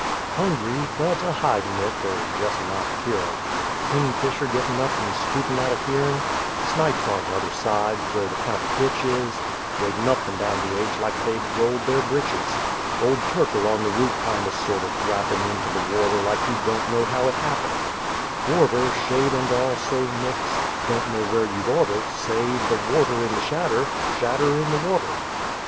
Hungry, but a hidin' it, er jes' a not a keerin': Kingfisher gittin' up and skootin' out o' hearin'; Snipes on the t'other side, where the County Ditch is, Wadin' up and down the aidge like they'd rolled their britches! Old turkle on the root kindo sorto drappin' Intoo th' worter like he don't know how it happen! Worter, shade and all so mixed, don't know which you'd orter Say, th' worter in the shadder shadder in the worter!